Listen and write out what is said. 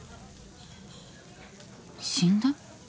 死んだ？